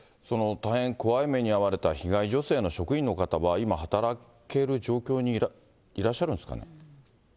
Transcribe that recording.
大変怖い目に遭われた被害女性の職員の方は、今、働ける状況にいらっしゃるんですかね。